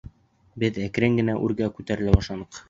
Беҙ әкрен генә үргә күтәрелә башланыҡ.